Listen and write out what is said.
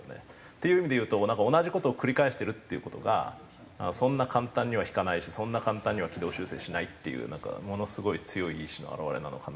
っていう意味で言うと同じ事を繰り返してるっていう事がそんな簡単には引かないしそんな簡単には軌道修正しないっていうなんかものすごい強い意志の表れなのかなっていう。